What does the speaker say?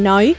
có thể nói